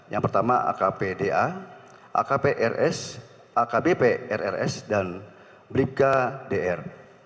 yang pertama akp da akp rs akb prrs dan bripka dr